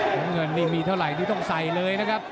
น้ำเงินนี่มีเท่าไหร่นี่ต้องใส่เลยนะครับ